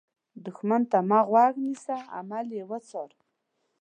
دښمن ته مه غوږ نیسه، عمل یې وڅار